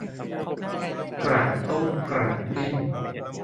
กระตุ้งกระติ้ง